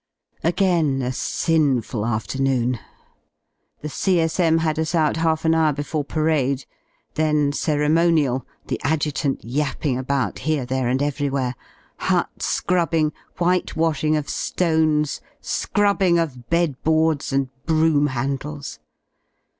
Again a sinful afternoon. The C.S.M. had us out half an hour before parade; then ceremonial, the Adjutant yapping about here, there, and everywhere; hut scrubbing, whitewashingof^ones, scrubbing ofbed boards, and broom handles.